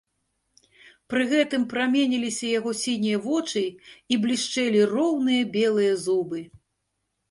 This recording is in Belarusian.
Пры гэтым праменіліся яго сінія вочы і блішчэлі роўныя белыя зубы.